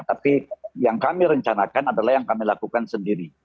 tapi yang kami rencanakan adalah yang kami lakukan sendiri